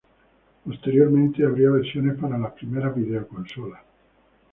Posteriormente habría versiones para las primeras videoconsolas.